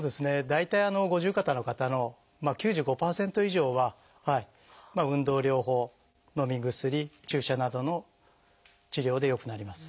大体五十肩の方の９５％以上は運動療法のみ薬注射などの治療で良くなります。